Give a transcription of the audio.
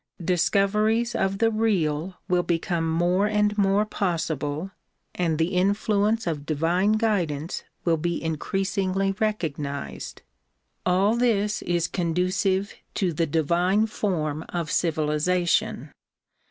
Discoveries of the real, will become more and more possible and the influence of divine guidance will be increasingly recognized. All this is conducive to the divine form of civilization.